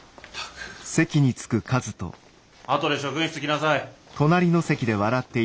あとで職員室来なさい。